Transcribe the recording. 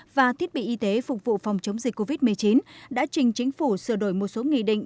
và thiết bị y tế phục vụ phòng chống dịch covid một mươi chín đã trình chính phủ sửa đổi một số nghị định